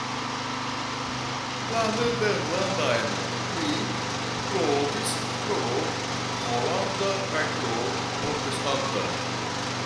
La nederlandan li trovis tro holanda kaj tro protestanta.